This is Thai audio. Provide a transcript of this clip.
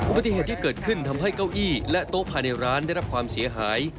ปฏิเหตุที่เกิดขึ้นทำให้เก้าอี้และโต๊ะภายในร้านได้รับความเสียหาย